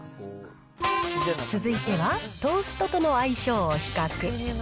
続いては、トーストとの相性を比較。